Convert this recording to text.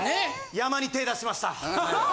山に手ぇ出しました。